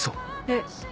えっ？